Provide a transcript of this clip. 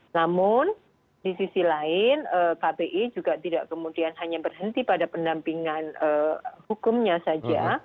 namun di sisi lain kpi juga tidak kemudian hanya berhenti pada pendampingan hukumnya saja